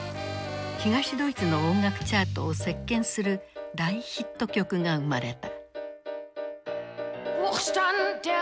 東ドイツの音楽チャートを席巻する大ヒット曲が生まれた。